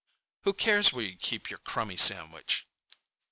"Who cares where you keep your crumby sandwich?"